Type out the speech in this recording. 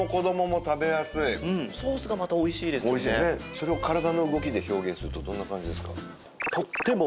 それを体の動きで表現するとどんな感じですか？